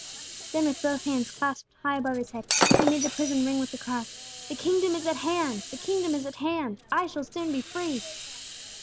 '" Then with both hands clasped high above his head, he made the prison ring with the cry, "The kingdom is at hand! The kingdom is at hand! I shall soon be free!"